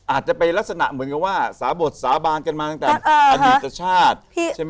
อาจจะเป็นลักษณะเหมือนกับว่าสาบดสาบานกันมาตั้งแต่อดีตชาติใช่ไหม